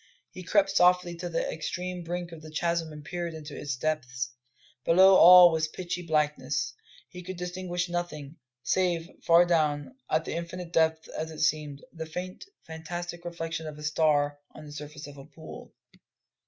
He crept softly to the extreme brink of the chasm and peered into its depths. Below all was pitchy blackness; he could distinguish nothing, save, far down, at an infinite depth as it seemed, the faint, fantastic reflection of a star on the surface of the pool.